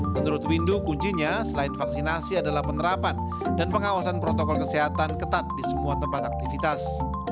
menurut windu kuncinya selain vaksinasi adalah penerapan dan pengawasan protokol kesehatan ketat di semua tempat aktivitas